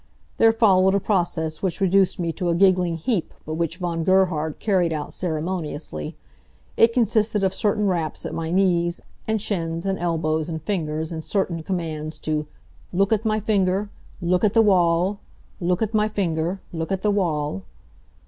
There followed a process which reduced me to a giggling heap but which Von Gerhard carried out ceremoniously. It consisted of certain raps at my knees, and shins, and elbows, and fingers, and certain commands to "look at my finger! Look at the wall! Look at my finger! Look at the wall!"